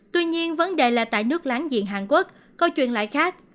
tuy nhiên vấn đề là tại nước láng giềng hàn quốc câu chuyện lại khác